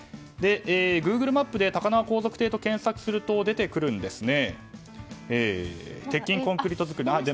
グーグルマップで高輪皇族邸と検索すると出てくるんですね。